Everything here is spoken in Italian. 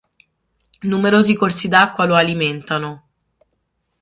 Numerosi corsi d'acqua lo alimentano.